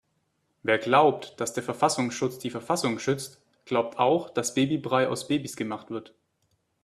Wer glaubt, dass der Verfassungsschutz die Verfassung schützt, glaubt auch dass Babybrei aus Babys gemacht wird.